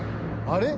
あれ？